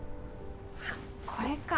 あっこれか